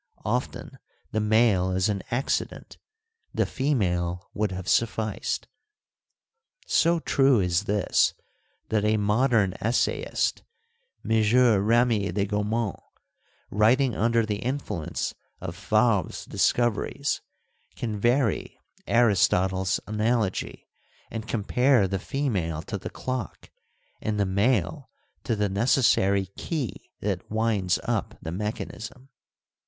Often the male is an accident : ARISTOTLE 221 the female would have sufficed. So true is this that a modern essayist, M. Remy de Gourmont, writing under the influence of Fabre's discoveries, can vary Aristotle's analogy and compare the female to the clock and the male to the necessary key that winds up the mechanism.